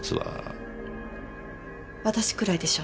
私くらいでしょうね。